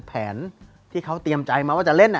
แผนที่เขาเตรียมใจมาว่าจะเล่น